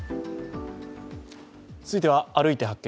続いては、「歩いて発見！